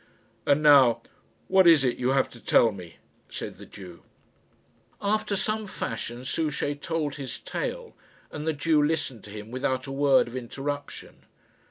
"And now, what is it you have to tell me?" said the Jew. After some fashion Souchey told his tale, and the Jew listened to him without a word of interruption.